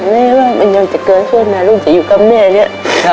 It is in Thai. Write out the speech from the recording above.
แม่ว่ามันยังจะเกิดขึ้นนะลูกจะอยู่กับแม่เนี่ย